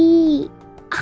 aku takut pa